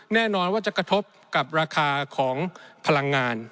แน่นอนว่าจะกระทบกับราคาของพลังงาน